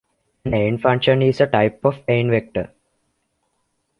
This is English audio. An eigenfunction is a type of eigenvector.